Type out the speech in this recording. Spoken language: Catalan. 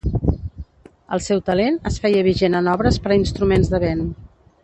El seu talent es feia vigent en obres per a instruments de vent.